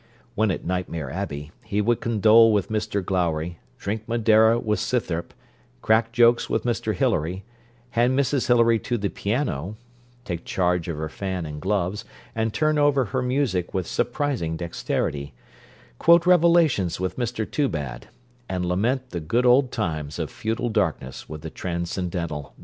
When at Nightmare Abbey, he would condole with Mr Glowry, drink Madeira with Scythrop, crack jokes with Mr Hilary, hand Mrs Hilary to the piano, take charge of her fan and gloves, and turn over her music with surprising dexterity, quote Revelations with Mr Toobad, and lament the good old times of feudal darkness with the transcendental Mr Flosky.